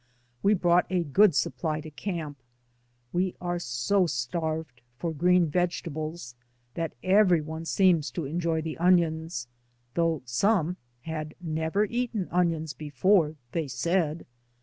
We brought a good supply to i68, DAYS ON THE ROAD. camp. We are so starved .for green vege tables that everyone seems to enjoy the onions, though some had never eaten onions before, they said.